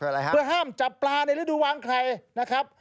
เพื่ออะไรครับเพื่อห้ามจับปลาในฤดูวางไข่นะครับ